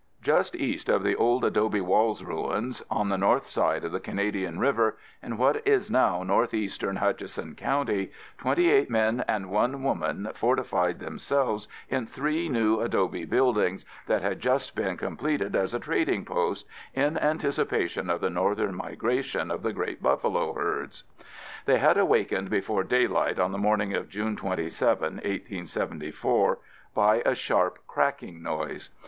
Just east of the old Adobe Walls ruins, on the north side of the Canadian River in what is now northeastern Hutchinson County, twenty eight men and one woman fortified themselves in three new adobe buildings that had just been completed as a trading post in anticipation of the northern migration of the great buffalo herds. They were awakened before daylight on the morning of June 27, 1874, by a sharp cracking noise.